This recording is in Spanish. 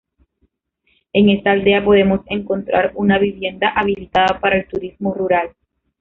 En esta aldea podemos encontrar una vivienda habilitada para el turismo rural.